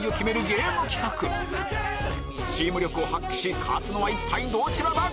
ゲーム企画チーム力を発揮し勝つのは一体どちらだ